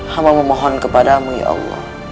hamamu mohon kepadamu ya allah